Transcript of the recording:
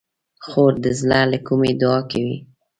خور د زړه له کومي دعا کوي.